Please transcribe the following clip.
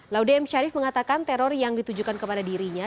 laude m sharif mengatakan teror yang ditujukan kepada dirinya